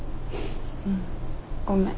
うんごめん。